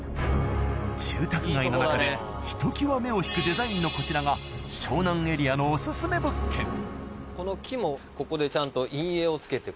住宅街の中でひときわ目を引くデザインのこちらが湘南エリアのこの木もここでちゃんと。